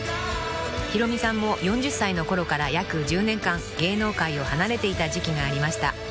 ［ヒロミさんも４０歳の頃から約１０年間芸能界を離れていた時期がありました］